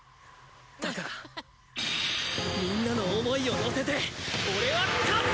だからみんなの思いを乗せて俺は勝つ！